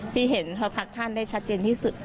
ที่เห็นพระพักท่านได้ชัดเจนที่สุด